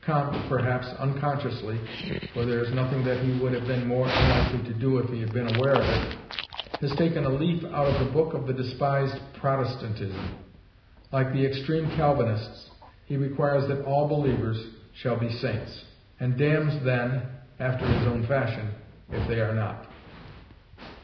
Comte, perhaps unconsciously, for there is nothing that he would have been more unlikely to do if he had been aware of it, has taken a leaf out of the book of the despised Protestantism. Like the extreme Calvinists, he requires that all believers shall be saints, and damns then (after his own fashion) if they are not.